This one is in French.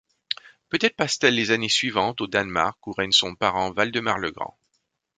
Peut-être passe-t-elle les années suivantes au Danemark où règne son parent Valdemar le Grand.